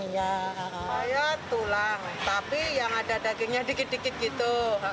ya saya tulang tapi yang ada dagingnya dikit dikit gitu